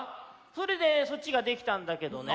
それでそっちができたんだけどね。